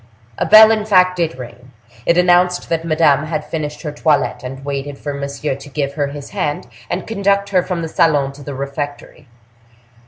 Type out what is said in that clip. A bell, in fact, did ring; it announced that Madame had finished her toilette, and waited for Monsieur to give her his hand, and conduct her from the salon to the refectory.